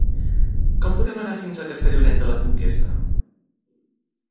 Com podem anar fins a Castellonet de la Conquesta?